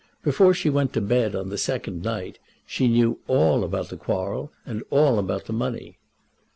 Before she went to bed on the second night she knew all about the quarrel, and all about the money.